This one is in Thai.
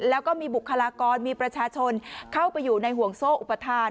แล้วก็มีบุคลากรมีประชาชนเข้าไปอยู่ในห่วงโซ่อุปทาน